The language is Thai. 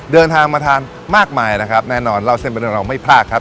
เดินทางมาทานมากมายนะครับแน่นอนเล่าเส้นเป็นเรื่องเราไม่พลาดครับ